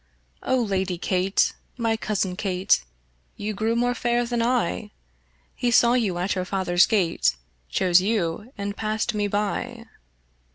O Lady kate, my cousin Kate, You grew more fair than I: He saw you at your father's gate, Chose you, and cast me by.